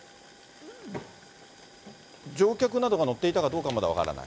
乗客などが乗っていたかどうかはまだ分からない？